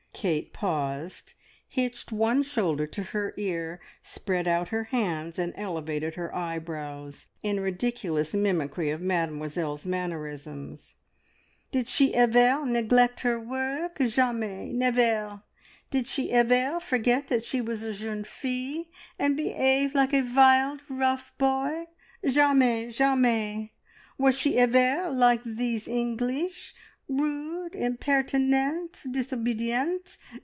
Kate paused, hitched one shoulder to her ear, spread out her hands, and elevated her eyebrows in ridiculous mimicry of Mademoiselle's mannerisms. "Did she evare neglect her work? Jamais, nevare! Did she evare forget that she was a jeune fille, and be'ave like a vild, rough boy? Jamais, jamais! Was she evare like these Engleesh rude, impairtinent, disobedient?